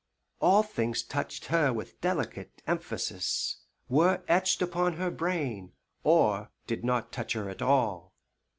All things touched her with delicate emphasis were etched upon her brain or did not touch her at all.